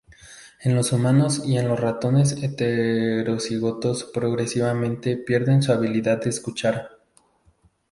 En los humanos y en los ratones heterocigotos progresivamente pierden su habilidad de escuchar.